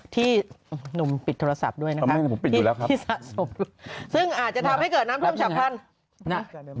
ที่หนุ่มปิดโทรศัพท์ด้วยนะครับที่สะสมซึ่งอาจจะทำให้เกิดน้ำท่วมฉับพันธุ์นะ